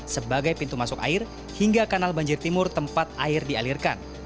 sebagai pintu masuk air hingga kanal banjir timur tempat air dialirkan